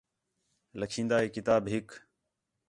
لَکھین٘دا ہِے کتاب ہِک